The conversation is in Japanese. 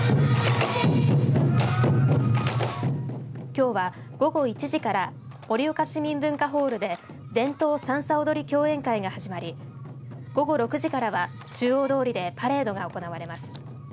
きょうは午後１時から盛岡市民文化ホールで伝統さんさ踊り競演会が始まり午後６時からは中央通でパレードが行われます。